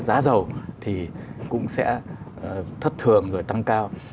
giá dầu thì cũng sẽ thất thường rồi tăng cao